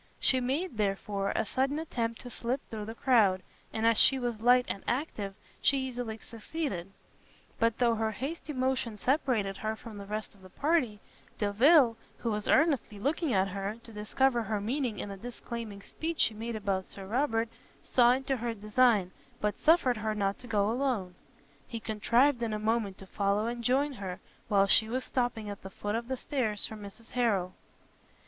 She made, therefore, a sudden attempt to slip through the crowd, and as she was light and active, she easily succeeded; but though her hasty motion separated her from the rest of her party, Delvile, who was earnestly looking at her, to discover her meaning in the disclaiming speech she made about Sir Robert, saw into her design, but suffered her not to go alone; he contrived in a moment to follow and join her, while she was stopping at the foot of the stairs for Mrs Harrel.